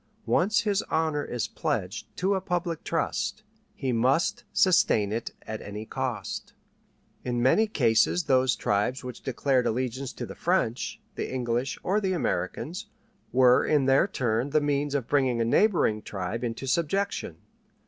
Once his honor is pledged to a public trust, he must sustain it at any cost. In many cases those tribes which declared allegiance to the French, the English, or the Americans, were in their turn the means of bringing a neighboring tribe into subjection.